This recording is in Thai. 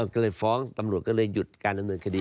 ก็เลยฟ้องตำรวจก็เลยหยุดการดำเนินคดี